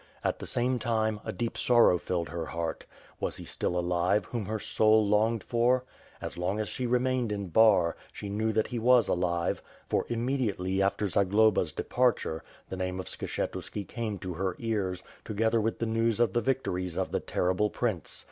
At the same time, a deep sor row filled her heart. Was he still alive whom her soul longed for? As long as she remained in Bar, she knew that he was alive; for, immediately after Zagloba's departure, the name of Skshetuski came to her ears, together with the news of the victories of the terrible Prince.